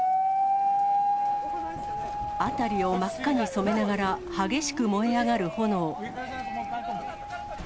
辺りを真っ赤に染めながら、激しく燃え上がる炎。